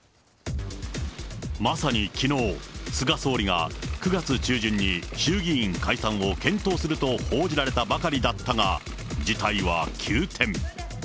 まさにきのう、菅総理が９月中旬に衆議院解散を検討すると報じられたばかりだったが、事態は急転。